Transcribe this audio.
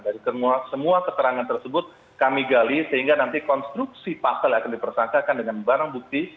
dari semua keterangan tersebut kami gali sehingga nanti konstruksi pasal yang akan dipersangkakan dengan barang bukti